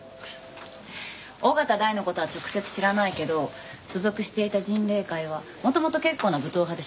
緒方大の事は直接知らないけど所属していた迅嶺会は元々結構な武闘派で知られてた。